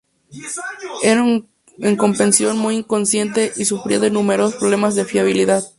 Era en competición muy inconsistente y sufría de numerosos problemas de fiabilidad.